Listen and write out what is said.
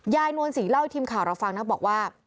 นวลศรีเล่าให้ทีมข่าวเราฟังนะบอกว่า